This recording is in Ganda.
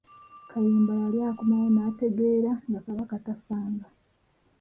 Kayemba yali akomawo, n'ategeera nga Kabaka tafanga.